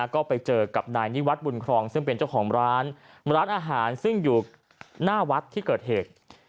ก็ไปเจอกับนายนิวัฒน์บุญครองซึ่งเป็นเจ้าของร้านร้านอาหารซึ่งอยู่หน้าวัดที่เกิดเหตุ